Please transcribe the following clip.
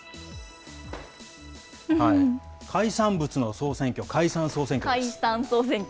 海産物の総選挙、海産総選挙。